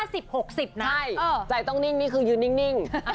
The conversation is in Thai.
ใช่ใจต้องนิ่งนี่คือยืนนิ่ง